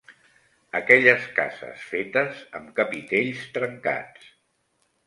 Aquelles cases fetes am capitells trencats